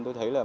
tôi thấy là